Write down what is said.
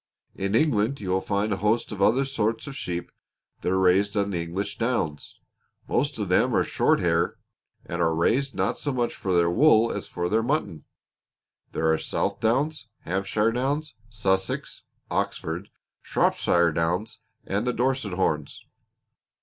In England you will find a host of other sorts of sheep that are raised on the English Downs; most of them are short haired and are raised not so much for their wool as for their mutton. There are Southdowns, Hampshire Downs, Sussex, Oxfords, Shropshire Downs, and the Dorset Horns.